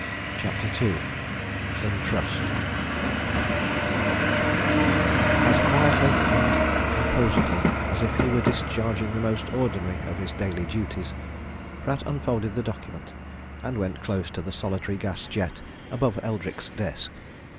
CHAPTER II IN TRUST As quietly and composedly as if he were discharging the most ordinary of his daily duties, Pratt unfolded the document, and went close to the solitary gas jet above Eldrick's desk.